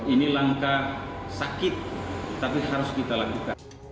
ini langkah sakit tapi harus kita lakukan